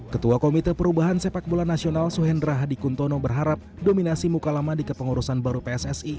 ketua komite perubahan sepak bola nasional suhendra hadi kuntono berharap dominasi muka lama di kepengurusan baru pssi